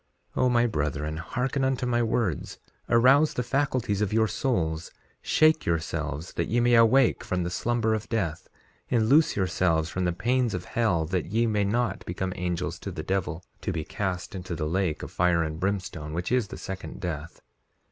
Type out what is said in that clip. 3:11 O my brethren, hearken unto my words; arouse the faculties of your souls; shake yourselves that ye may awake from the slumber of death; and loose yourselves from the pains of hell that ye may not become angels to the devil, to be cast into that lake of fire and brimstone which is the second death.